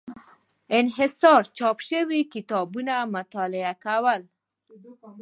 انحصاري چاپ شوي کتابونه مطالعه کول.